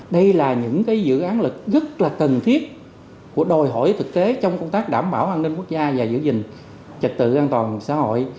đây là những dự án lực rất là cần thiết của đòi hỏi thực tế trong công tác đảm bảo an ninh quốc gia và giữ gìn trật tự an toàn xã hội